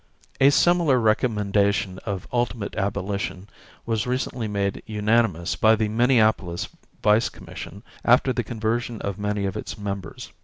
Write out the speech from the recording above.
A similar recommendation of ultimate abolition was recently made unanimous by the Minneapolis vice commission after the conversion of many of its members.